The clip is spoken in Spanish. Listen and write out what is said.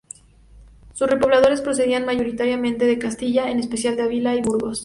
Sus repobladores procedían mayoritariamente de Castilla, en especial de Avila y Burgos.